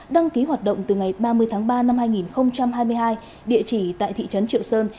đăng ký hoạt động từ ngày ba mươi tháng ba năm hai nghìn hai mươi hai địa chỉ tại thị trấn triệu sơn